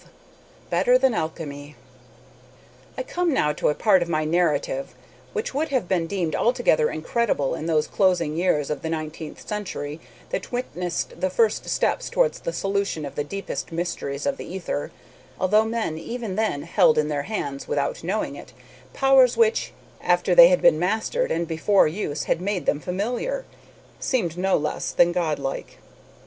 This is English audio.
XII BETTER THAN ALCHEMY I come now to a part of my narrative which would have been deemed altogether incredible in those closing years of the nineteenth century that witnessed the first steps towards the solution of the deepest mysteries of the ether, although men even then held in their hands, without knowing it, powers which, after they had been mastered and before use had made them familiar, seemed no less than godlike.